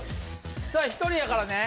さぁ１人やからね。